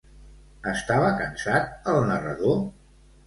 Estava cansat el narrador?